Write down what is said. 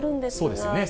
そうですよね。